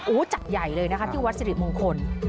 จัดใหญ่เลยนะคะที่วัดสิริมงคล